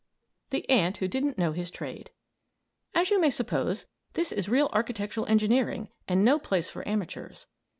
] THE ANT WHO DIDN'T KNOW HIS TRADE As you may suppose, this is real architectural engineering and no place for amateurs.